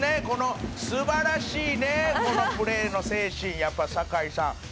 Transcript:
この素晴らしいねこのプレーの精神」「やっぱり酒井さん。